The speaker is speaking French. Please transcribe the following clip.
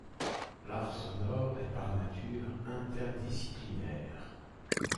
L'art sonore est par nature interdisciplinaire.